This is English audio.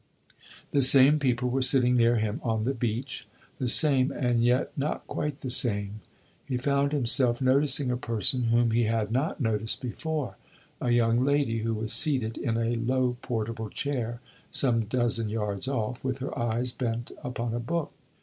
The same people were sitting near him on the beach the same, and yet not quite the same. He found himself noticing a person whom he had not noticed before a young lady, who was seated in a low portable chair, some dozen yards off, with her eyes bent upon a book.